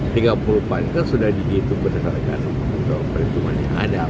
tiga puluh pan kan sudah dihitung berdasarkan perhitungan yang ada